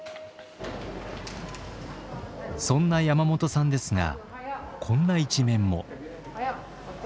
そんな山本さんですがこんな一面も。